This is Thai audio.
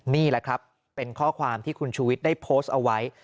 นี่แหละครับเป็นข้อความที่คุณชูวิทย์ได้โพสต์เอาไว้